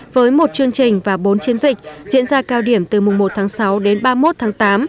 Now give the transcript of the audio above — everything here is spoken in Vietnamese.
với một chương trình và bốn chiến dịch diễn ra cao điểm từ mùng một tháng sáu đến ba mươi một tháng tám